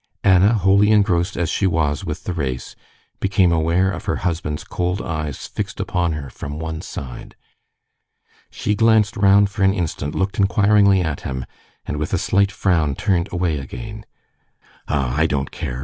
Anna, wholly engrossed as she was with the race, became aware of her husband's cold eyes fixed upon her from one side. She glanced round for an instant, looked inquiringly at him, and with a slight frown turned away again. "Ah, I don't care!"